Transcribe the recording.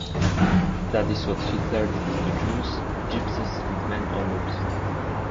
That is what Hitler did to Jews, Gypsies and many others.